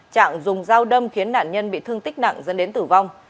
trạng dùng dao đâm khiến nạn nhân bị thương tích nặng dẫn đến tử vong